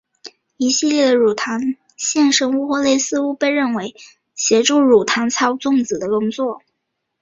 一系列的乳糖衍生物或类似物被认为协助乳糖操纵子的工作。